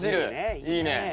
いいね。